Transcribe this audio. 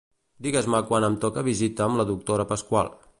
Digues-me quan em toca visita amb la doctora Pasqual.